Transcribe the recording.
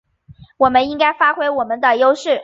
我们应该发挥我们的优势